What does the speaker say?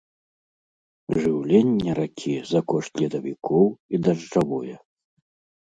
Жыўленне ракі за кошт ледавікоў і дажджавое.